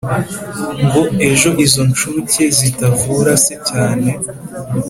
Ngo ejo izo nshuke zitavura se cyane